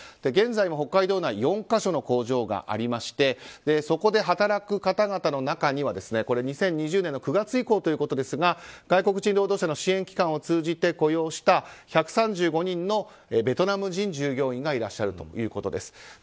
現在も北海道内４か所の工場がありましてそこで働く方々の中には２０２０年の９月以降ということですが外国人労働者の支援機関を通じて雇用した１３５人のベトナム人従業員がいらっしゃるということです。